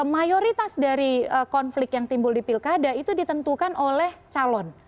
mayoritas dari konflik yang timbul di pilkada itu ditentukan oleh calon